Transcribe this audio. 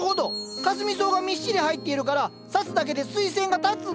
かすみ草がみっしり入っているから挿すだけでスイセンが立つんだ。